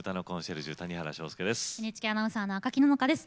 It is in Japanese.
ＮＨＫアナウンサーの赤木野々花です。